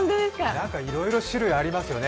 何かいろいろ種類ありますよね。